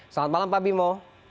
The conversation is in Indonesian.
selamat malam pak bimo